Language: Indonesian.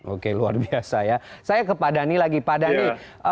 oke luar biasa ya saya ke pak dhani lagi pak dhani